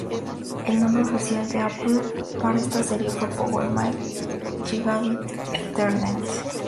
El nombre oficial de Apple para esta serie fue Power Mac Gigabit Ethernet.